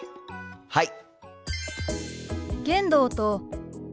はい！